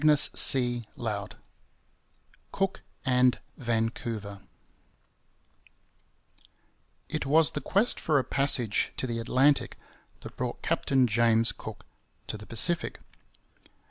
] CHAPTER IV COOK AND VANCOUVER It was the quest for a passage to the Atlantic that brought Captain James Cook to the Pacific.